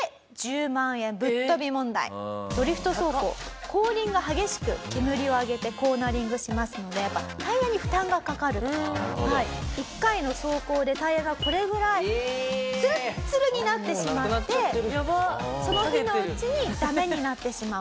ドリフト走行後輪が激しく煙を上げてコーナリングしますのでやっぱ１回の走行でタイヤがこれぐらいツルッツルになってしまってその日のうちにダメになってしまう。